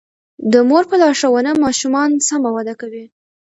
د مور په لارښوونه ماشومان سم وده کوي.